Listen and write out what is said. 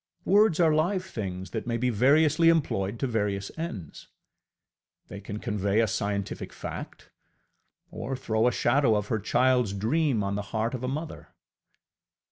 Words are live things that may be variously employed to various ends. They can convey a scientific fact, or throw a shadow of her childŌĆÖs dream on the heart of a mother.